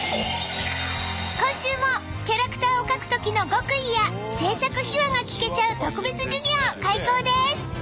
今週もキャラクターを描く時の極意や制作秘話が聞けちゃう特別授業開講です